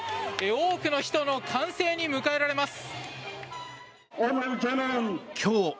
多くの人の歓声に迎えられます。